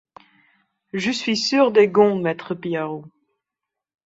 Je suis sûr des gonds, maître Piarou.